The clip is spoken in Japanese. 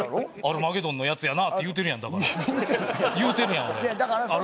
「『アルマゲドン』のやつやな」って言うてるやんだから。